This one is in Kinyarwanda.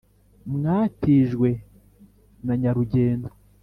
mwatijwe na nyarugendo